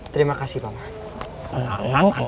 terima kasih bapak